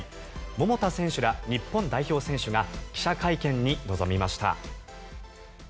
桃田選手ら日本代表選手が記者会見に臨みました。